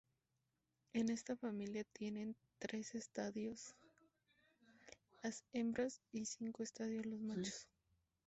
En esta familia tienen tres estadios las hembras y cinco estadios los machos.